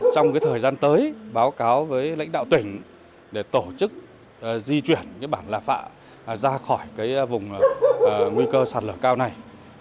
trong thời gian tới báo cáo với lãnh đạo tỉnh để tổ chức di chuyển bản lạ ra khỏi vùng nguy cơ sạt lở cao này